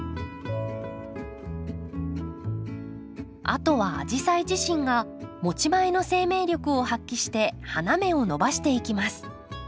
あとはアジサイ自身が持ち前の生命力を発揮して花芽を伸ばしていきます。